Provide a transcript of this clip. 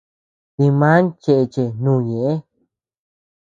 Diman cheche nu ñeʼe.